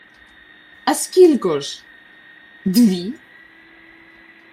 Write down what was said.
— А скілько ж? Дві?!